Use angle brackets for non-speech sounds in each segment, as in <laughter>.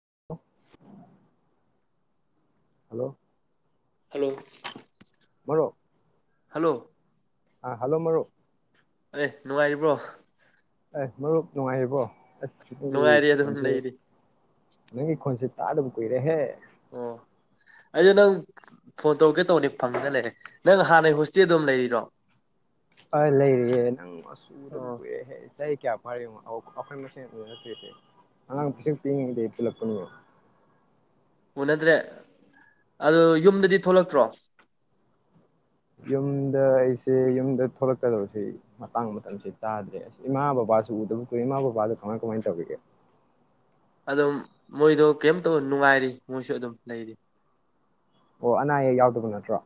<inaudible> Hello hello hello ꯑ hello ꯃꯔꯨꯞ ꯑꯦ ꯅꯨꯡꯉꯥꯏꯔꯤꯕ꯭ꯔꯣ ꯑꯦ ꯃꯔꯨꯞ ꯅꯨꯡꯉꯥꯏꯔꯤꯕꯣ ꯁꯤꯈꯣꯒꯤ ꯅꯨꯡꯉꯥꯏꯔꯤ ꯑꯗꯨꯝ ꯈꯣꯟꯁꯦ ꯂꯩꯔꯤ ꯅꯪꯒꯤ ꯈꯣꯟꯁꯦ ꯇꯥꯗꯕ ꯀꯏꯔꯦꯍꯦ ꯑꯣ ꯑꯩꯗꯣ ꯅꯪ ꯐꯣꯟ ꯇꯧꯔꯛꯀꯦ ꯇꯧꯕꯅꯤ ꯐꯪꯗꯅ ꯂꯩꯔꯦ ꯅꯪ ꯍꯥꯟꯅꯩ ꯍꯣꯁꯇꯦꯜꯗꯝ ꯂꯩꯔꯤꯔꯣ ꯍꯣꯏ ꯂꯩꯔꯤꯑꯦ ꯅꯪ ꯃꯆꯨꯗꯝ ꯑꯣ ꯀꯨꯏꯦ ꯆꯍꯤ ꯀꯌꯥ ꯄꯈꯣꯏ ꯃ ꯅꯔꯤꯦ ꯑ ꯎꯝ ꯄꯨꯤꯁ ꯄꯤꯅꯤꯡꯦ ꯂꯂꯄꯅꯤꯒꯣ ꯎꯅꯗ꯭ꯔꯦ ꯑꯗꯨ ꯌꯨꯝꯗꯗꯤ ꯊꯣꯛꯂꯛꯇ꯭ꯔꯣ ꯌꯨꯝꯗ ꯑꯩꯁꯦ ꯌꯨꯝꯗ ꯊꯣꯛꯂꯛꯀꯗꯧꯁꯤꯦ ꯃꯇꯥꯡ ꯃꯇꯝꯁꯤ ꯇꯥꯗ꯭ꯔꯦꯁ ꯏꯃꯥ ꯕꯕꯥꯁꯨ ꯎꯗꯕ ꯀꯏ ꯏꯃꯥ ꯕꯕꯥꯗ ꯀꯃꯥꯏ ꯀꯃꯥꯏꯅ ꯇꯧꯔꯤꯒꯦ ꯑꯗꯨꯝ ꯃꯣꯏꯗꯣ ꯀꯩꯝꯇꯧ ꯅꯨꯡꯉꯥꯏꯔꯤ ꯃꯣꯏꯁꯨ ꯑꯗꯨꯝ ꯂꯩꯔꯤ ꯑꯣ ꯑꯅꯥ ꯑꯌꯦꯛ ꯌꯥꯎꯗꯕ ꯅꯠꯇ꯭ꯔꯣ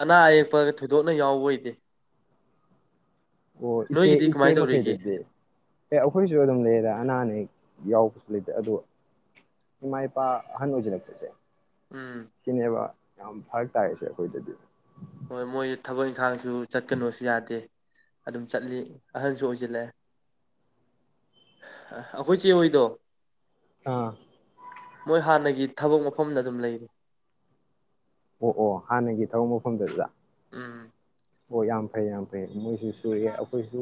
ꯑꯅꯥ ꯑꯌꯦꯛꯄꯒ ꯊꯣꯏꯗꯣꯛꯅ ꯌꯥꯎꯕ ꯑꯣꯏꯗꯦ ꯑꯣ ꯏꯆꯦ ꯅꯣꯏꯒꯤꯗꯤ ꯏꯆꯦ ꯀꯃꯥꯏꯅ ꯇꯧꯔꯤꯒꯦ ꯃꯈꯩꯗꯨꯗꯤ ꯑꯦ ꯑꯩꯈꯣꯏꯁꯨ ꯑꯗꯨꯝ ꯂꯩꯌꯦꯗ ꯑꯅꯥ ꯑꯅꯤꯌꯦꯛ ꯌꯥꯎꯕꯁꯨ ꯂꯩꯇꯦ ꯑ ꯏꯃꯥ ꯏꯄꯥ ꯑꯍꯟ ꯑꯣꯏꯖꯜꯂꯛꯄꯁꯦ ꯎꯝ ꯁꯤꯅꯦꯕꯥ ꯌꯥꯝ ꯐꯔꯛ ꯇꯥꯁꯦ ꯑꯩꯈꯣꯏꯗꯗꯤ ꯍꯣꯏ ꯃꯣꯏ ꯊꯕꯛ ꯏꯪꯈꯥꯡꯁꯨ ꯆꯠꯀꯅꯣꯁꯨ ꯌꯥꯗꯦ ꯑꯗꯨꯝ ꯆꯠꯂꯤ ꯑꯍꯟꯁꯨ ꯑꯣꯏꯁꯤꯜꯂꯛꯑꯦ ꯑꯩꯈꯣꯏ ꯆꯦ ꯍꯗꯣ ꯑꯥ ꯃꯣꯏ ꯍꯥꯟꯅꯒꯤ ꯊꯕꯛ ꯃꯐꯝꯗ ꯑꯗꯨꯝ ꯂꯩꯔꯤ ꯑꯣ ꯑꯣ ꯍꯥꯟꯅꯒꯤ ꯊꯕꯛ ꯃꯐꯝꯗꯗ ꯎꯝ ꯑꯣ ꯌꯥꯝ ꯐꯩ ꯌꯥꯝ ꯐꯩ ꯃꯣꯏ ꯍꯧꯖꯤꯁꯨ ꯑꯩꯈꯣꯏꯁꯨ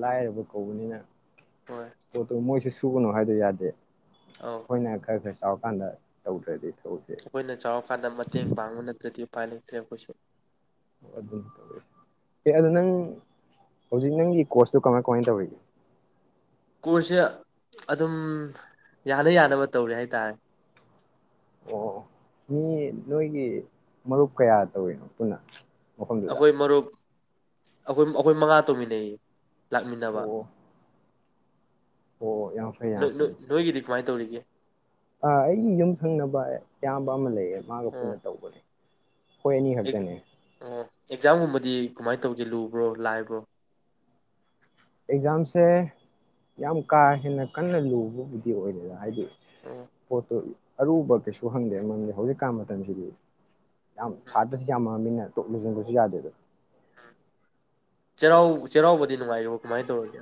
ꯂꯥꯏꯔꯕ ꯀꯧꯕꯅꯤꯅ ꯍꯣꯏ ꯑꯣ ꯃꯣꯏꯁꯤ ꯁꯨꯒꯅꯨ ꯍꯥꯏꯗꯣ ꯌꯥꯗꯦ ꯑꯧ ꯍꯣꯏꯅꯦ ꯈꯔ ꯈꯔꯁꯤ ꯆꯥꯎꯔꯀꯥꯟꯗ ꯇꯧꯗ꯭ꯔꯗꯤ ꯊꯕꯛꯁꯦ ꯑꯩꯈꯣꯏꯅ ꯆꯥꯎꯔꯀꯥꯟꯗ ꯃꯇꯦꯡ ꯄꯥꯡꯕ ꯅꯠꯇ꯭ꯔꯗꯤ ꯄꯅꯤꯛꯇ꯭ꯔꯦ ꯀꯁꯨ ꯑꯗꯨ ꯇꯧꯋ ꯑꯦ ꯑꯗꯣ ꯅꯪ ꯍꯧꯖꯤꯛ ꯅꯪꯒꯤ ꯀꯣꯔꯁꯇꯨ ꯀꯃꯥꯏ ꯀꯃꯥꯏ ꯇꯧꯔꯤꯒꯦ ꯀꯣꯔꯁꯁꯦ ꯑꯗꯨꯝ ꯌꯥꯅ ꯌꯥꯅꯕ ꯇꯧꯔꯦ ꯍꯥꯏꯇꯥꯔꯦ ꯑꯣ ꯃꯤ ꯅꯣꯏꯒꯤ ꯃꯔꯨꯞ ꯀꯌꯥ ꯇꯧꯏꯤꯅꯣ ꯄꯨꯟꯅ ꯃꯐꯝꯗꯨꯗ ꯑꯩꯈꯣꯏ ꯃꯔꯨꯞ ꯑꯩꯈꯣꯏ ꯑꯩꯈꯣꯏ ꯃꯉꯥ ꯇꯣꯡꯃꯤꯟꯅꯩꯌꯦ ꯂꯥꯛꯃꯤꯟꯅꯕ ꯑꯣ ꯑꯣ ꯌꯥꯝ ꯐꯩ ꯅꯣꯏ ꯅꯣꯏꯒꯤꯗꯤ ꯀꯨꯃꯥꯏ ꯇꯧꯅꯤ <inaudible> ꯑ ꯑꯩꯒꯤ ꯌꯨꯝ ꯊꯪꯅꯕ ꯑꯌꯥꯝꯕ ꯑꯃ ꯂꯩꯌꯦ ꯃꯥꯒ ꯑꯣ ꯄꯨꯟꯅ ꯇꯧꯕꯅꯦ ꯍꯣꯏ ꯑꯅꯤ ꯈꯛꯇꯅꯦ ꯑꯣ ꯑꯦꯛꯖꯥꯝꯒꯨꯝꯕꯗꯤ ꯀꯃꯥꯏꯅ ꯇꯧꯒꯦ ꯂꯨꯕ꯭ꯔꯣ ꯂꯥꯏꯕ꯭ꯔꯣ ꯑꯦꯛꯖꯥꯝꯁꯦ ꯌꯥꯝ ꯀꯥ ꯍꯦꯟꯅ ꯀꯟꯅ ꯂꯨꯕꯕꯨꯗꯤ ꯑꯣꯏꯔꯦꯗ ꯍꯥꯏꯗꯤ ꯎꯝ ꯄꯣꯠꯇ ꯑꯔꯨꯕ ꯀꯩꯁꯨ ꯍꯪꯗꯦ ꯃꯔꯝꯗꯤ ꯍꯧꯖꯤꯛꯀꯥꯟ ꯃꯇꯝꯁꯤꯗꯤ ꯌꯥꯝ ꯎꯝ ꯁꯥꯠꯄꯁꯤ ꯌꯥꯝꯃꯃꯤꯅ ꯇꯣꯛꯅ ꯆꯤꯡꯕꯁꯨ ꯌꯥꯗꯦꯗ ꯆꯩꯔꯥꯎ ꯆꯩꯔꯥꯎꯕꯗꯤ ꯅꯨꯡꯉꯥꯏꯔꯤꯕꯣ ꯀꯃꯥꯏꯅ ꯇꯧꯔꯒꯦ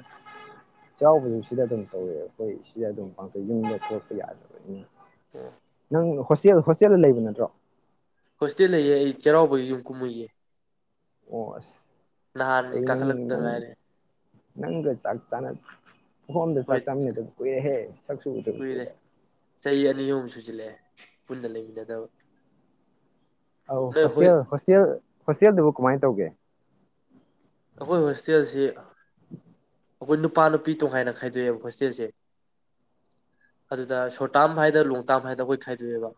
ꯆꯥꯎꯕꯗꯨ ꯁꯤꯗ ꯑꯗꯨꯝ ꯇꯧꯋꯦꯕ ꯑꯩꯈꯣꯏ ꯁꯤꯗ ꯑꯗꯨꯝ ꯄꯥꯡꯊꯣꯛꯏ ꯌꯨꯝꯗ ꯊꯣꯄ ꯌꯥꯗꯕ ꯅꯪ ꯍꯁ ꯣꯦꯜ ꯍꯣꯁꯇꯦꯜꯗ ꯂꯩꯕ ꯅꯠꯇ꯭ꯔꯣ ꯍꯣꯁꯇꯦꯜ ꯂꯩꯌꯦ ꯑꯩ ꯆꯩꯔꯥꯎꯕꯒꯤ ꯌꯨꯝ ꯀꯨꯝꯍꯩꯌꯦ ꯑꯣꯁ ꯅꯍꯥꯟ ꯀꯈꯂ ꯇ ꯉꯥꯏꯅꯦꯦ ꯅꯪ ꯆꯥꯛ ꯇꯅ ꯍꯗ ꯍꯣꯏ ꯆꯥꯛ ꯆꯝ ꯀ ꯍꯦ ꯆꯁꯨ ꯆ ꯀꯨꯏꯔꯦ ꯀꯗ ꯆꯍꯤ ꯑꯅꯤ ꯑꯍꯨꯝ ꯁꯨꯖꯤꯜꯂꯛꯑꯦ ꯄꯨꯟꯅ ꯂꯩꯃꯤꯟꯅꯗꯕ ꯑꯥꯎ ꯅꯣꯏ ꯍꯣꯁ ꯍꯣꯁ ꯍꯣꯁꯤꯌꯥ ꯑꯗꯨꯕꯨ ꯀꯃꯥꯏꯅ ꯇꯧꯒꯦ ꯑꯩꯈꯣꯏ ꯍꯣꯁꯇꯦꯜꯁꯤ ꯑꯩꯈꯣꯏ ꯅꯨꯄꯥ ꯅꯨꯄꯤ ꯇꯣꯉꯥꯏꯅ ꯈꯥꯏꯗꯣꯛꯑꯦꯕ ꯍꯣꯁꯇꯦꯜꯁꯦ ꯑꯗꯨꯗ ꯁꯣꯔꯠ ꯇꯥꯝ ꯍꯥꯏꯗꯅ ꯂꯣꯡ ꯇꯥꯝ ꯍꯥꯏꯗꯅ ꯑꯩꯈꯣꯏ ꯈꯥꯏꯗꯣꯛꯑꯦꯕ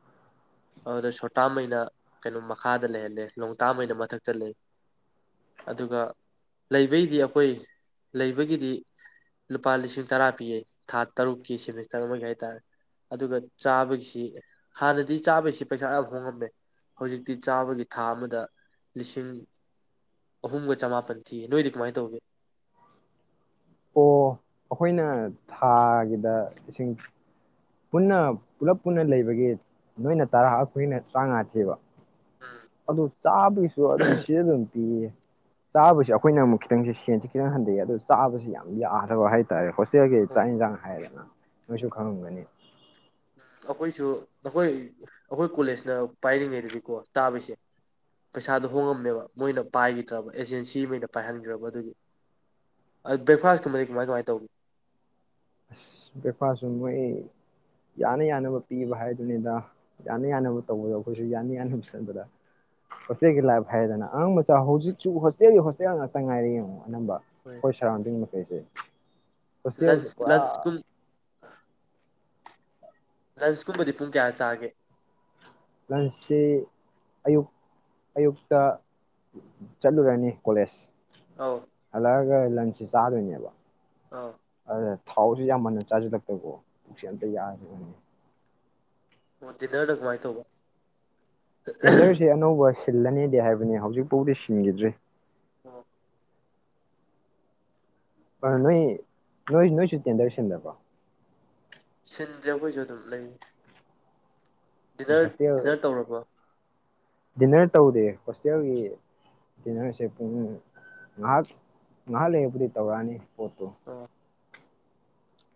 ꯑꯗꯨꯗ ꯁꯣꯔꯠ ꯇꯥꯔꯝ ꯑꯣꯏꯅ ꯀꯩꯅꯣ ꯃꯈꯥꯗ ꯂꯩꯍꯜꯂꯦ ꯂꯣꯡ ꯇꯥꯝ ꯑꯣꯏꯅ ꯃꯊꯛꯇ ꯂꯩ ꯑꯗꯨꯒ ꯂꯩꯕꯩꯗꯤ ꯑꯩꯈꯣꯏ ꯂꯩꯕꯒꯤꯗꯤ ꯂꯨꯄꯥ ꯂꯤꯁꯤꯡ ꯇꯔꯥ ꯄꯤꯌꯦ ꯊꯥ ꯇꯔꯨꯛꯀꯤ ꯁꯦꯃꯤꯁꯇꯔ ꯑꯃꯒꯤ ꯍꯥꯏ ꯇꯥꯔꯦ ꯑꯗꯨꯒ ꯆꯥꯕꯒꯤꯁꯤ ꯍꯥꯟꯅꯗꯤ ꯆꯥꯕꯩꯁꯤ ꯄꯩꯁꯥ ꯌꯥꯝ ꯍꯣꯡꯉꯝꯃꯦ ꯍꯧꯖꯤꯛꯇꯤ ꯆꯥꯕꯒꯤ ꯊꯥ ꯑꯃꯗ ꯂꯤꯁꯤꯡ ꯑꯍꯨꯝꯒ ꯆꯃꯥꯄꯜ ꯅꯣꯏꯗꯤ ꯀꯃꯥꯏꯅ ꯇꯧꯒꯦ ꯑꯣ ꯑꯩꯈꯣꯏꯅ ꯊꯥꯒꯤꯗ ꯏꯁꯤꯡ ꯄꯨꯟꯅ ꯄꯨꯂꯞ ꯄꯨꯟꯅ ꯂꯩꯕꯒꯤ ꯅꯣꯏꯅ ꯇꯔꯥ ꯑꯩꯈꯣꯏꯅ ꯇꯔꯥꯃꯉꯥꯥꯁꯦꯕ ꯎꯝ ꯑꯗꯨ ꯆꯥꯕꯒꯤꯁꯨ ꯑꯗꯨꯝ ꯁꯤꯗ ꯑꯗꯨꯝ ꯄꯤꯌꯦ ꯆꯥꯕꯁꯤ ꯑꯩꯈꯣꯏꯅ ꯑꯃꯨꯛ ꯈꯤꯇꯪꯁꯦ ꯁꯦꯟꯁꯦ ꯈꯤꯇꯪ ꯍꯟꯊꯩꯑ ꯑꯗꯨ ꯆꯥꯕꯁꯤ ꯌꯥꯝ ꯌꯥꯗ꯭ꯔꯕ ꯍꯥꯏꯇꯥꯔꯦ ꯆꯦ ꯑꯣ ꯆꯥꯡꯟꯖꯥꯡ ꯍꯥꯏꯔꯦꯅ ꯃꯁꯨ ꯈꯪꯒꯅꯤ ꯎꯝ ꯑꯩꯈꯣꯏꯁꯨ ꯅꯈꯣꯏ ꯑꯩꯈꯣꯏ ꯀꯣꯂꯦꯖꯅ ꯄꯥꯏꯔꯤꯉꯩꯗꯗꯤꯀꯣ ꯇꯥꯕꯁꯦ ꯄꯩꯁꯥꯗꯣ ꯍꯣꯡꯉꯝꯃꯦꯕ ꯃꯣꯏꯅ ꯄꯥꯏꯈꯤꯗ꯭ꯔꯕ ꯑꯦꯖꯦꯟꯁꯤꯈꯩꯅ ꯄꯥꯏꯍꯟꯈ꯭ꯔꯕ ꯑꯗꯨꯒꯤ ꯑ ꯕ꯭ꯔꯦꯛꯐꯥꯁꯀꯨꯝꯃꯗꯤ ꯀꯃꯥꯏ ꯀꯃꯥꯏꯅ ꯇꯧꯒ ꯑꯁ ꯕ꯭ꯔꯦꯛꯐꯥꯁꯁꯨ ꯃꯣꯏ ꯌꯥꯅ ꯌꯥꯅꯕ ꯄꯤꯕ ꯍꯥꯏꯗꯨꯅꯤꯗ ꯌꯥꯅ ꯌꯥꯅꯕ ꯇꯧꯕꯗ ꯑꯩꯈꯣꯏꯁꯨ ꯌꯥꯅ ꯌꯥꯅꯕ ꯆꯟꯕꯗ ꯍꯣꯁꯇꯦꯜꯒꯤ ꯂꯥꯏꯐ ꯍꯥꯏꯔꯗꯅ ꯑꯉꯥꯡ ꯃꯆꯥ ꯍꯧꯖꯤꯛꯁꯨ ꯍꯣꯁꯇꯦꯜꯒꯤ ꯍꯣꯁꯇꯦꯜ ꯉꯥꯛꯇ ꯉꯥꯏꯔꯦ ꯌꯦꯡꯉ ꯑꯅꯝꯕ ꯑꯩꯈꯣꯏ ꯁꯔꯥꯎꯟꯗꯤꯡ <unintelligible> ꯈꯨꯁꯤ ꯑꯣꯏ ꯂꯟꯁ ꯆꯀ ꯂꯟꯁꯀꯨꯝ ꯂꯟꯁꯀꯨꯝꯕꯗꯤ ꯄꯨꯡ ꯀꯌꯥ ꯆꯥꯒꯦ ꯂꯟꯁꯁꯤ ꯑꯌꯨꯛ ꯑꯌꯨꯛꯇ ꯆꯠꯂꯨꯔꯅꯤ ꯀꯣꯂꯦꯖ ꯑꯧ ꯑꯂꯒ ꯂꯁꯤ ꯆꯥꯅꯤꯕ ꯑ ꯊꯥꯎꯁꯨ ꯌꯥꯝ ꯃꯟꯅ ꯆꯥꯁꯤꯜꯂꯛꯇꯕꯀꯣ ꯄꯨꯁꯤ ꯑꯝꯇ ꯌꯥꯗꯕꯅꯦ ꯃꯗꯤꯟꯅ ꯂ ꯀꯃꯥꯏ ꯇꯧꯕꯧꯕ ꯇꯦꯟꯗꯔꯁꯤ ꯑꯅꯧꯕ ꯁꯤꯂꯅꯤꯗꯤ ꯍꯥꯏꯕꯅꯤ ꯍꯧꯖꯤꯛꯐꯥꯎꯗꯤ ꯁꯤꯟꯈꯤꯗ꯭ꯔꯤ꯫ ꯑ ꯅꯣꯏ ꯅꯣꯏ ꯅꯣꯏ ꯆꯨꯠꯇꯦ ꯗꯔꯁꯟꯗ ꯕꯔꯣ꯫ ꯁꯤꯟꯗꯔ꯭ꯦ ꯑꯩꯈꯣꯏꯁꯨ ꯑꯗꯨꯝ ꯂꯩꯔꯤ꯫ ꯗꯤꯅꯔ ꯍꯣꯁꯇꯦꯜ ꯗꯤꯅꯔ ꯇꯧꯔꯕꯣ? ꯗꯤꯟꯅꯔ ꯇꯧꯗꯦ ꯍꯣꯁꯇꯦꯜꯒꯤ ꯗꯤꯟꯅꯔꯁꯦ ꯄꯨꯡ ꯉꯥꯏꯍꯥꯛ ꯉꯥꯏꯍꯥꯛ ꯂꯩꯔꯄꯨꯗꯤ ꯇꯧꯔꯛꯑꯅꯤ꯫ ꯄꯣꯠꯇꯣ ꯑꯣ꯫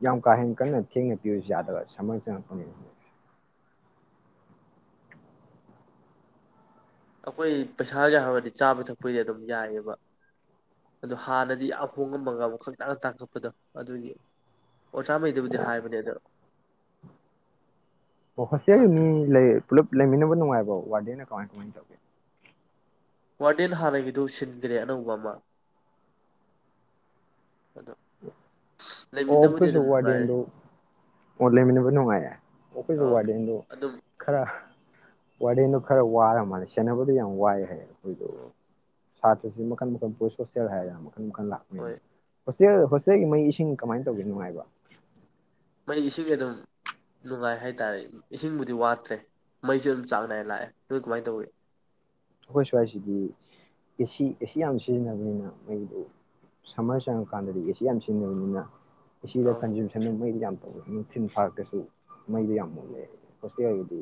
ꯌꯥꯝ ꯀꯥꯍꯦꯟ ꯀꯟꯅ ꯊꯦꯡꯅ ꯄꯤꯔꯁꯨ ꯌꯥꯗꯕ ꯁꯝꯃꯔ ꯑꯩꯈꯣꯏ ꯄꯩꯁꯥꯒꯤ ꯍꯥꯏꯔꯗꯤ ꯆꯥꯕ ꯊꯛꯄꯩꯗꯤ ꯑꯗꯨꯝ ꯌꯥꯏꯑꯕ ꯑꯗꯨꯣ ꯍꯥꯟꯅꯗꯤ ꯌꯥꯝ ꯍꯣꯡꯉꯝꯃꯒ ꯈꯛꯇꯥꯡ ꯇꯥꯡꯀꯛꯄꯗꯣ ꯑꯗꯨꯒꯤ ꯑꯣ ꯆꯥꯝꯃꯩꯗꯨꯕꯨꯗꯤ ꯍꯥꯏꯕꯅꯦ ꯑꯗ ꯍꯣꯁꯇ꯭ꯦꯜ ꯒꯤ ꯃꯤ ꯂꯩ ꯄꯨꯜꯂꯞ ꯂꯩꯃꯤꯟꯅꯕ ꯅꯨꯡꯉꯥꯏꯕꯣ ꯋꯥꯔꯗꯦꯅ ꯀꯃꯥꯏ ꯀꯃꯥꯏꯅ ꯇꯧꯒꯦ? ꯋꯥꯔꯗꯦꯟ ꯍꯥꯟꯅꯒꯤꯗꯨ ꯁꯤꯟꯈ꯭ꯔꯦ ꯑꯅꯧꯕ ꯑꯃ ꯫ <inaudible> ꯑꯣ ꯈꯣꯏꯁꯨ ꯋꯔꯗꯦꯟ ꯅꯨꯡꯉꯥꯏꯔꯦ ꯗꯨ ꯑꯣꯟ ꯂꯩꯃꯤꯟ ꯅꯕ ꯅꯨꯡꯉꯏ ꯑꯈꯣꯏꯖꯨ ꯑꯧ ꯋꯥꯔꯗꯦꯟ ꯗꯤ ꯑꯗꯨꯝ ꯈꯔꯥ ꯋꯥꯔꯗꯦꯟꯗꯨ ꯈꯔ ꯋꯥꯔ ꯃꯥꯜꯂꯦ ꯁꯦꯟꯅꯕꯗꯤ ꯌꯥꯝ ꯋꯥꯏꯦ ꯍꯥꯏꯌꯦ꯫ <unintelligible> ꯁꯥꯇ꯭ꯔꯁꯤ ꯃꯈꯟ- ꯃꯈꯟ ꯕꯣꯏꯁ ꯍꯣꯁꯇꯦꯜ ꯍꯥꯏꯔꯦ ꯑꯃꯨꯛ ꯍꯣꯏ <unintelligible> ꯍꯣꯁꯇꯦꯜ ꯍꯣꯁꯇꯦꯜꯒꯤ ꯃꯩ ꯏꯁꯤꯡ ꯀꯃꯥꯏꯅ ꯇꯧꯒꯦ ꯅꯨꯡꯉꯥꯏꯕ ꯃꯩ ꯏꯁꯤꯡꯦ ꯑꯗꯨꯝ ꯅꯨꯡꯉꯥꯏ ꯍꯥꯏꯇꯥꯔꯦ ꯏꯁꯤꯡꯕꯨꯗꯤ ꯋꯥꯠꯇ꯭ꯔꯦ ꯃꯩꯁꯨ ꯑꯗꯨꯝ ꯆꯥꯡ ꯅꯥꯏꯅ ꯂꯥꯛꯑꯦ ꯅꯣꯏ ꯀꯃꯥꯏꯅ ꯇꯧꯋꯤ ꯑꯩꯈꯣꯏ ꯁ꯭ꯋꯥꯏꯁꯤꯗꯤ ꯑꯦꯁꯤ ꯑꯦꯁꯤ ꯌꯥꯝ ꯁꯤꯖꯤꯟꯅꯕꯅꯤꯅ ꯃꯣꯏꯗꯨ ꯁꯝꯃꯔ ꯆꯪꯉꯀꯥꯟꯗꯗꯤ ꯑꯦꯁꯤ ꯌꯥꯝ ꯁꯤꯖꯤꯟꯅꯕꯅꯤꯅ ꯁꯤꯗ ꯑꯧ ꯀꯟꯖꯨꯝꯁꯟ ꯃꯣꯏꯗꯤ ꯌꯥꯝ ꯅꯨꯡꯊꯤꯟ ꯐꯥꯔꯛꯇꯥꯁꯨ ꯃꯩꯗꯨ ꯌꯥꯝ ꯃꯨꯠꯂꯦ ꯍꯣꯁꯇꯦꯜ ꯒꯤꯗꯤ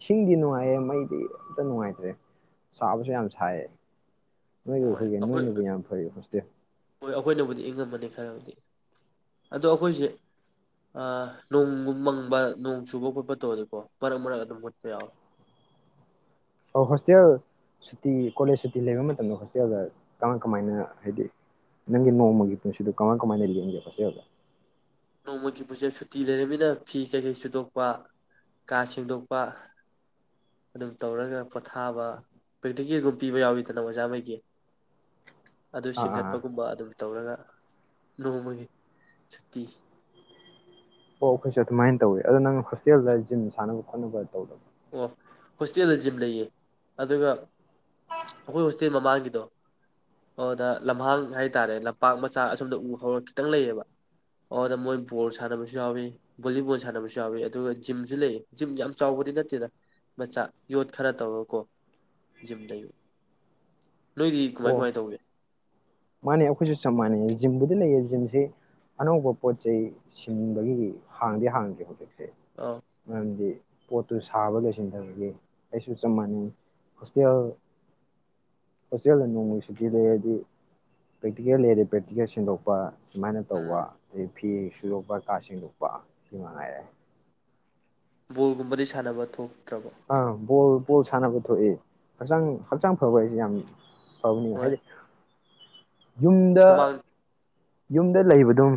ꯏꯁꯤꯡꯗꯤ ꯅꯨꯡꯉꯥꯏꯌꯦꯦꯡ ꯃꯩꯗꯤ ꯑꯝꯇ ꯅꯨꯡꯉꯥꯏꯇ꯭ꯔꯦ꯫ ꯁꯥꯕꯁꯨ ꯌꯥꯝ ꯁꯥꯌꯦ꯫ ꯅꯣꯏꯗ ꯍꯣꯏ ꯑꯩꯈꯣꯏꯒꯤ ꯑꯩꯈꯣꯏ ꯅꯣꯏꯅꯕꯨ ꯌꯥꯝ ꯐꯩ ꯍꯣꯁꯇꯦꯜ꯫ ꯍꯣꯏ ꯑꯩꯈꯣꯏꯅꯕꯨꯗꯤ ꯏꯪꯉꯝꯃꯅꯤ ꯈꯔꯕꯨꯗꯤ ꯑꯗꯣ ꯑꯩꯈꯣꯏꯁꯦ ꯅꯣꯡꯒꯨꯝ ꯃꯪꯕ ꯅꯣꯡ ꯆꯨꯕ ꯈꯣꯠꯄ ꯇꯧꯔꯗꯤꯀꯣ ꯃꯔꯛ - ꯃꯔꯛ ꯑꯗꯨꯝ ꯍꯨꯠꯄ ꯌꯥꯎꯋꯦ꯫ ꯑꯣ ꯍꯣꯁꯇꯦꯜ ꯁꯨꯇꯤ ꯀꯣꯂꯦꯖ ꯁꯨꯇꯤ ꯂꯩꯕ ꯃꯇꯝꯗ ꯍꯣꯁꯇꯦꯜꯗ ꯀꯃꯥꯏ- ꯀꯃꯥꯏꯅ ꯍꯥꯏꯗꯤ ꯅꯪꯒꯤ ꯅꯣꯡꯃꯒꯤ ꯄꯨꯟꯁꯤꯗꯣ ꯀꯃꯥꯏ - ꯀꯃꯥꯏꯅ ꯂꯒꯦ ꯍꯣꯁꯇꯦꯜꯗ꯫ ꯅꯣꯡꯃꯒꯤ ꯄꯨꯣꯠꯁꯦ ꯁꯨꯇꯤ ꯂꯩꯔꯕꯃꯤꯅ ꯐꯤ ꯀꯩꯀꯩ ꯁꯨꯗꯣꯛꯄ, ꯀꯥ ꯁꯦꯡꯗꯣꯛꯄ, ꯑꯗꯨꯝ ꯇꯧꯔꯒ ꯄꯣꯊꯥꯕ ꯄ꯭ꯔꯦꯛꯇꯤꯀꯦꯜꯒꯨꯝ ꯄꯤꯕ ꯌꯥꯎꯋꯤꯗꯅ ꯑꯣꯖꯥꯈꯩꯗꯤ ꯑꯗꯨ ꯑꯥ ꯑꯥ ꯁꯤꯡꯒꯠꯄꯒꯨꯝꯕ ꯑꯗꯨꯝ ꯇꯧꯔꯒ ꯅꯣꯡꯃꯒꯤ ꯁꯨꯇꯤ ꯑꯣ ꯑꯩꯈꯣꯏꯁꯨ ꯑꯗꯨꯃꯥꯏꯅ ꯇꯧꯋꯤ ꯑꯗꯣ ꯅꯪ ꯍꯣꯁꯇꯦꯜꯗ ꯖꯤꯝ ꯁꯥꯟꯅꯕ ꯈꯣꯠꯅꯕ ꯇꯧ ꯑꯣ ꯍꯣꯁꯇꯦꯜꯗ ꯖꯤꯝ ꯂꯩꯌꯦ ꯑꯗꯨꯒ ꯑꯩꯈꯣꯏ ꯍꯣꯁꯇꯦꯜ ꯃꯃꯥꯡꯒꯤꯗꯣ ꯑꯗꯨꯗ ꯂꯝꯍꯥꯡ ꯍꯥꯏꯇꯥꯔꯦ ꯂꯝꯄꯥꯛ ꯃꯆꯥ ꯑꯁꯣꯝꯗ ꯎ ꯍꯧꯔꯒ ꯈꯤꯇꯪ ꯂꯩꯌꯦꯕ ꯑꯗꯨꯗ ꯃꯣꯏ ꯕꯣꯜ ꯁꯥꯟꯅꯕꯁꯨ ꯌꯥꯎꯏ ꯕꯣꯂꯤꯕꯣꯜ ꯁꯥꯟꯅꯕꯁꯨ ꯌꯥꯎꯋꯤ ꯑꯗꯨꯒ ꯖꯤꯝꯁꯨ ꯂꯩꯌꯦ ꯖꯤꯝ ꯌꯥꯝ ꯆꯥꯎꯕꯗꯤ ꯅꯠꯇꯦ ꯅꯠꯇꯦꯗ ꯃꯆꯥ ꯌꯣꯠ ꯈꯔ ꯇꯧꯔꯀꯣ ꯖꯤꯝꯗ ꯌ ꯅꯣꯏꯗꯤ ꯀꯃꯥꯏ ꯑꯣ ꯀꯃꯥꯏꯅ ꯇꯧꯒꯦ ꯃꯥꯅꯦ ꯑꯩꯈꯣꯏꯁꯨ ꯆꯞ ꯃꯥꯟꯅꯩ ꯖꯤꯝꯕꯨꯗꯤ ꯂꯩꯌꯦ ꯖꯤꯝꯁꯤ ꯑꯅꯧꯕ ꯄꯣꯠꯆꯩ ꯁꯤꯟꯕꯒꯤ ꯍꯥꯡꯗꯤ ꯍꯥꯡꯗꯦ ꯍꯧꯖꯤꯛ ꯑꯥ ꯃꯔꯝꯗꯤ ꯄꯣꯠꯇꯨ ꯁꯥꯕ ꯂꯣꯏꯁꯤꯟꯗꯕꯒꯤ ꯑꯩꯁꯨ ꯆꯞ ꯃꯥꯟꯅꯩ ꯍꯣꯁꯇꯦꯜ ꯍꯣꯁꯇꯦꯜꯗ ꯅꯣꯡꯃꯒꯤ ꯁꯨꯇꯤ ꯂꯩ ꯍꯥꯏꯗꯤ ꯄ꯭ꯔꯦꯛꯇꯤꯀꯦꯜ ꯂꯩꯔꯦ ꯄ꯭ꯔꯦꯛꯇꯤꯀꯦꯜ ꯁꯤꯟꯗꯣꯛꯄ ꯁꯨꯃꯥꯏꯅ ꯇꯧꯕ ꯑꯩ ꯐꯤ ꯁꯨꯗꯣꯛꯄ ꯀꯥ ꯁꯦꯡꯗꯣꯛꯄ ꯁꯤ ꯃꯉꯥꯏꯔꯦ ꯕꯣꯜꯒꯨꯝꯕꯗꯤ ꯁꯥꯟꯅꯕ ꯊꯣꯛ ꯑ ꯕꯣꯜ ꯕꯣꯜ ꯁꯥꯟꯅꯕ ꯊꯣꯛꯑꯦ ꯍꯛꯆꯥꯡ ꯍꯛꯆꯥꯡ ꯐꯕ ꯍꯥꯏꯁꯦ ꯌꯥꯝ ꯐꯕꯅꯤ ꯍꯣꯏ ꯍꯥꯏꯗꯤ ꯌꯨꯝꯗ ꯍꯨꯃꯥꯡ ꯌꯨꯝꯗ ꯂꯩꯕ ꯑꯗꯨꯝ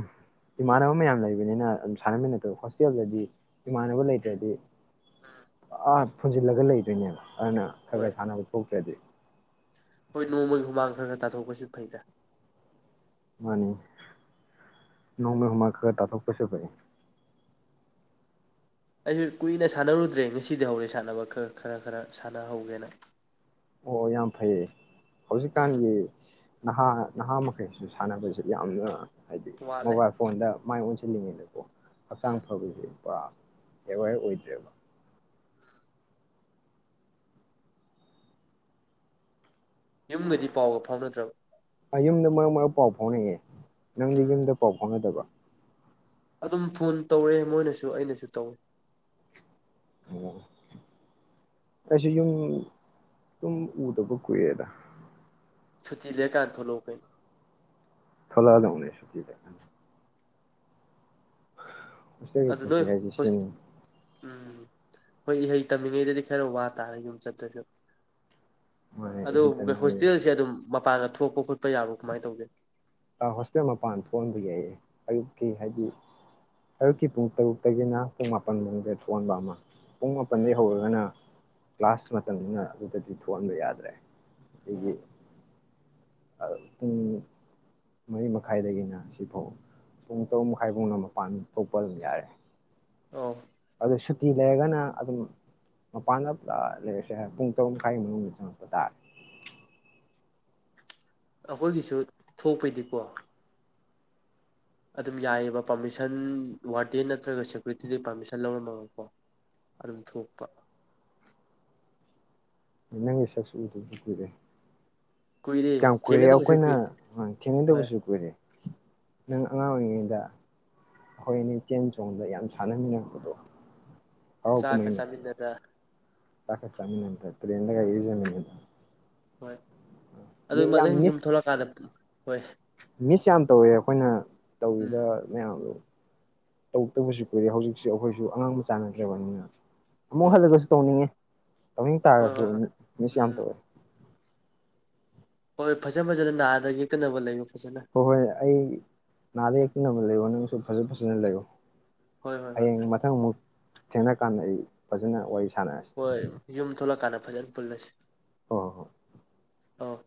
ꯏꯃꯥꯟꯅꯕ ꯃꯌꯥꯝ ꯂꯩꯕꯅꯤꯅ ꯑꯗꯨꯝ ꯁꯥꯟꯅꯃꯤꯟꯅꯠꯇꯕ ꯍꯣꯁꯇꯦꯜꯗꯗꯤ ꯏꯃꯥꯟꯅꯕ ꯂꯩꯇ꯭ꯔꯗꯤ ꯑꯝ ꯐꯨꯟꯖꯤꯜꯂꯒ ꯂꯩꯗꯣꯏꯅꯦꯕ ꯑꯗꯨꯅ ꯈꯔ ꯍꯣꯏ ꯈꯔ ꯁꯥꯟꯅꯕ ꯊꯣꯛ ꯍꯥꯏꯗꯤ ꯍꯣꯏ ꯅꯣꯡꯃꯒꯤ ꯍꯨꯃꯥꯡ ꯈꯔ ꯈꯔ ꯇꯥꯊꯣꯛꯄꯁꯤ ꯐꯩꯗ ꯃꯥꯅꯤ ꯅꯣꯡꯃ ꯍꯨꯃꯥꯡ ꯈꯔ ꯇꯥꯊꯣꯛꯄꯁꯤ ꯐꯩ ꯑꯩꯁꯨ ꯀꯨꯏꯅ ꯁꯥꯟꯅꯔꯨꯗ꯭ꯔꯦ ꯉꯁꯤꯗꯤ ꯍꯧꯔꯦ ꯁꯥꯟꯅꯕ ꯈꯔ ꯈꯔ ꯁꯥꯟꯅꯍꯧꯒꯦꯅ ꯑꯣ ꯌꯥꯝ ꯐꯩꯌꯦ ꯎꯝ ꯍꯧꯖꯤꯛꯀꯥꯟꯒꯤ ꯅꯍꯥ ꯅꯍꯥ ꯃꯈꯩꯁꯨ ꯁꯥꯟꯅꯕꯁꯤ ꯌꯥꯝꯅ ꯍꯥꯏꯗꯤ ꯋꯥꯠꯂꯦ ꯃꯣꯕꯥꯏꯜ ꯐꯣꯟ ꯃꯥꯏ ꯑꯣꯟꯁꯤꯜꯂꯤꯉꯦꯅꯀꯣ ꯍꯛꯆꯥꯡ ꯐꯕꯁꯦ ꯄꯨꯔꯥ ꯑꯦꯋꯥꯏꯔ ꯑꯣꯏꯗꯦꯕ ꯌꯨꯝꯒꯗꯤ ꯄꯥꯎꯒ ꯐꯥꯎꯅꯗ꯭ꯔ ꯌꯨꯝꯗ ꯃꯔꯛ ꯃꯔꯛ ꯄꯥꯎ ꯐꯥꯎꯅꯩꯌꯦ ꯅꯪꯗꯤ ꯎꯝ ꯌꯨꯝꯗ ꯄꯥꯎ ꯐꯥꯎꯅꯗꯕꯔ ꯑꯗꯨꯝ ꯐꯣꯟ ꯇꯧꯔꯦ ꯃꯣꯏꯅꯁꯨ ꯑꯩꯅꯁꯨ ꯇꯧꯋ ꯑꯩꯁꯦ ꯌꯨꯝ ꯑꯗꯨꯨꯝ ꯎꯗꯕ ꯀꯨꯏꯔꯦꯗ ꯁꯨꯇꯤ ꯂꯩ ꯀꯥꯟ ꯊꯣꯛꯂꯣ ꯀꯩꯅꯣ ꯊꯣꯛꯂꯛ ꯑꯗꯧꯅꯦ ꯃꯁꯤꯗꯒꯤ ꯑꯗꯨ ꯅꯣꯏ ꯄꯨꯟꯁꯤ ꯍꯥꯏꯁꯦ ꯁꯤꯅꯤ ꯎꯝ ꯍꯣꯏ ꯏꯍꯩ ꯇꯝꯃꯤꯉꯩꯗꯗꯤ ꯈꯔ ꯋꯥ ꯇꯥꯔꯦ ꯌꯨꯝ ꯆꯠꯇ꯭ꯔꯁꯨ ꯃꯥꯅꯦ ꯑꯗꯨꯣ ꯏꯍꯩ ꯇꯝꯃꯤꯉꯩꯗꯗꯤ ꯍꯣꯁꯇꯦꯜꯁꯦ ꯑꯗꯨꯝ ꯃꯄꯥꯡꯒ ꯀꯠꯊ ꯊꯣꯛꯄ ꯈꯣꯠꯄ ꯌꯥꯕ꯭ꯔ ꯀꯃꯥꯏꯅ ꯇꯧꯒꯦ ꯍꯣꯁꯇꯦꯜ ꯃꯄꯥꯟ ꯊꯣꯛꯍꯟꯕ ꯌꯥꯏꯌꯦ ꯑꯌꯨꯛꯀꯤ ꯍꯥꯏꯗꯤ ꯑꯌꯨꯛꯀꯤ ꯄꯨꯡ ꯇꯔꯨꯛꯇꯒꯤꯅ ꯄꯨꯡ ꯃꯥꯄꯟ ꯐꯗꯦ ꯊꯣꯛꯟꯕ ꯑꯃ ꯄꯨꯡ ꯃꯥꯄꯟꯗꯒꯤꯩ ꯎꯝ ꯍꯧꯔꯒꯅ ꯀ꯭ꯂꯥꯁ ꯃꯇꯝꯅꯤꯅ ꯑꯗꯨꯗꯗꯤ ꯊꯣꯛꯍꯟꯕ ꯌꯥꯗ꯭ꯔꯦ ꯑꯩꯗꯤ ꯑꯣ ꯄꯨꯡ ꯃꯔꯤ ꯃꯈꯥꯏꯗꯒꯤꯅ ꯁꯤꯐꯥꯎ ꯄꯨꯡ ꯇꯔꯨꯛ ꯃꯈꯥꯏ ꯐꯥꯎꯅ ꯃꯄꯥꯟ ꯊꯣꯛꯄ ꯑꯗꯨꯝ ꯌꯥꯔꯦ ꯑꯣ ꯑꯗꯨ ꯁꯨꯇꯤ ꯂꯩꯔꯒꯅ ꯑꯗꯨꯝ ꯃꯄꯥꯟꯗ ꯄꯨꯔꯥ ꯂꯩꯔꯁꯦ ꯄꯨꯡ ꯇꯔꯨꯛ ꯃꯈꯥꯏꯒꯤ ꯃꯅꯨꯡꯗ ꯆꯪꯉꯛꯄ ꯇꯥꯔꯦ ꯑꯩꯈꯣꯏꯒꯤꯁꯨ ꯊꯣꯛꯄꯩꯗꯤꯀꯣ ꯑꯗꯨꯝ ꯌꯥꯏꯑꯕ ꯄꯥꯔꯃꯤꯁꯟ ꯋꯥꯔꯗꯦꯟ ꯅꯠꯇ꯭ꯔꯒ ꯁꯦꯀꯨꯔꯤꯇꯤꯗ ꯄꯥꯔꯃꯤꯁꯟ ꯂꯧꯔꯝꯃꯒꯀꯣ ꯑꯗꯨꯝ ꯊꯣꯛꯄ ꯅꯪꯒꯤ ꯁꯛꯁꯨ ꯎꯗꯨꯁꯨ ꯀꯔꯑꯦ ꯀꯨꯏꯔꯦ ꯀꯌꯥꯝ ꯀꯨꯏꯔꯦ ꯊꯦꯡꯅꯗꯕꯁꯨ ꯑꯩꯈꯣꯏꯅ ꯀꯨꯏꯔꯦ ꯍꯣꯏ ꯊꯦꯡꯅꯗꯕꯁꯨ ꯀꯨꯏꯔꯦ ꯅꯪ ꯑꯉꯥꯡ ꯑꯣꯏꯔꯤꯉꯩꯗ ꯍꯣꯔꯦꯟꯅ ꯆꯦꯟ ꯆꯣꯡꯕ ꯌꯥꯝ ꯎꯝ ꯁꯅꯃꯤꯅꯗ ꯍꯔꯥꯎ ꯀꯨꯝꯃ ꯆꯥꯛꯀ ꯃ ꯃꯇꯝ ꯆꯥꯃꯤꯟꯅꯗ ꯄꯈ ꯇꯃꯤꯅ ꯇꯠꯇꯔꯤ ꯌꯦꯟꯒ ꯌꯦꯖꯃꯤꯅꯤꯗ ꯍꯣꯏ ꯑꯗꯨ ꯃꯊꯪ ꯌꯨꯝ ꯃꯤꯁ ꯊꯣꯛꯂꯛꯀꯥꯟꯗ ꯍꯣꯏ ꯃꯤꯁ ꯌꯥꯝ ꯇꯧꯋꯦ ꯑꯩꯈꯣꯏꯅ ꯎꯝ ꯇꯧꯔꯤꯕ ꯃꯌꯥꯝꯗꯨꯣ ꯇꯧꯗꯕꯁꯨ ꯀꯨꯏꯔꯦ ꯍꯧꯖꯤꯛꯁꯦ ꯑꯩꯈꯣꯏꯁꯨ ꯑꯉꯥꯡ ꯃꯆꯥ ꯅꯠꯇ꯭ꯔꯕꯅꯤꯅ ꯑꯃꯨꯛ ꯍꯣꯏ ꯍꯜꯂꯒꯁꯨ ꯇꯧꯅꯤꯡꯉꯦ ꯑꯗꯨ ꯇ ꯍꯣꯏ ꯍꯣꯏ ꯍꯣꯏ ꯃꯤꯁꯤꯤ ꯎꯝ ꯑꯟꯇꯔꯦ ꯍꯣꯏ ꯐꯖꯅ ꯐꯖꯅ ꯅꯥꯗ ꯌꯦꯛꯇꯅꯕ ꯂꯩꯌ ꯍꯣꯏ ꯍꯣꯏ ꯑꯩ ꯅꯥꯗ ꯍꯛꯇ ꯑꯃ ꯂꯩꯕꯣ ꯐꯖꯦ ꯐꯖꯅ ꯂꯩꯒꯣ ꯍꯣꯏ ꯍꯣꯏ ꯍꯣꯏ ꯍꯌꯦꯡ ꯃꯊꯪ ꯑꯃꯨꯛ ꯊꯦꯡꯅ ꯀꯥꯟꯗ ꯑꯩ ꯐꯖꯅ ꯋꯥꯔꯤ ꯁꯥꯟꯅꯔꯁꯤ ꯍꯣꯏ ꯌꯨꯝ ꯊꯣꯛꯂꯛ ꯀꯥꯟꯅꯕ ꯐꯖꯅ ꯄꯨꯜꯂꯁꯤ ꯍ ꯑ